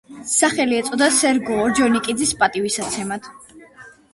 სახელი ეწოდა სერგო ორჯონიკიძის პატივსაცემად.